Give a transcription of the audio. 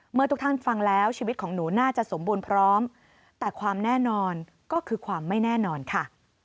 เมื่อทุกท่านฟังแล้วชีวิตของหนูน่าจะสมบูรณ์พร้อมแต่ความแน่นอนก็คือความไม่แน่นอนค่ะ